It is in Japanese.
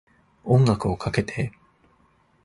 音楽をかけて